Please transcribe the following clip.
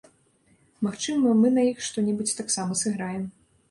Магчыма, мы на іх што-небудзь таксама сыграем.